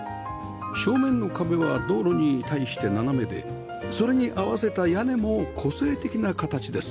正面の壁は道路に対して斜めでそれに合わせた屋根も個性的な形です